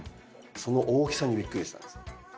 その大きさにびっくりしたんです。